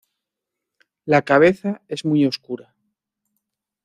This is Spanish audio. La cabeza es muy oscura.